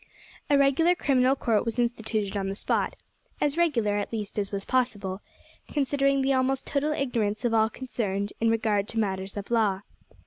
A regular criminal court was instituted on the spot, as regular, at least, as was possible, considering the almost total ignorance of all concerned in regard to matters of law.